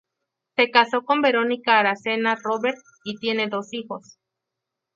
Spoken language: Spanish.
Se casó con Verónica Aracena Robert y tiene dos hijos.